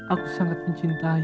aku sangat mencintai ketiganya